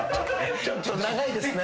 ちょっと長いですね。